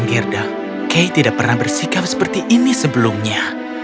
gerda kay tidak pernah bersikap seperti ini sebelumnya